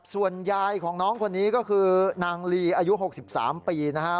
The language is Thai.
ส่วนยายของน้องคนนี้ก็คือนางลีอายุ๖๓ปีนะฮะ